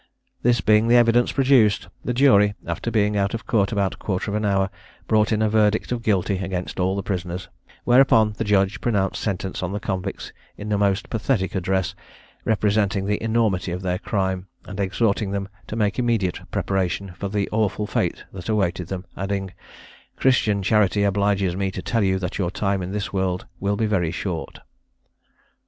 This being the evidence produced, the jury, after being out of court about a quarter of an hour, brought in a verdict of guilty against all the prisoners: whereupon the judge pronounced sentence on the convicts in a most pathetic address, representing the enormity of their crime, and exhorting them to make immediate preparation for the awful fate that awaited them; adding, "Christian charity obliges me to tell you that your time in this world will be very short."